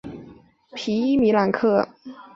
皮伊米克朗。